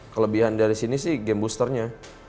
kelebihan dari sini sih game boosternya